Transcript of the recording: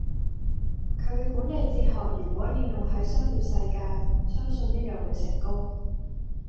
佢嘅管理哲學如果應用係商業世界，相信一樣會成功。